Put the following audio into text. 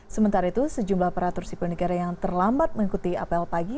sementara itu sejumlah aparatur sipil negara yang terlambat mengikuti apel pagi